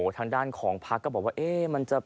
ทางด้านของพักก็บอกว่า